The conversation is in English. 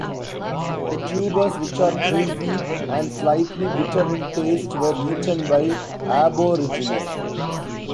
The tubers, which are juicy and slightly bitter in taste, were eaten by Aborigines.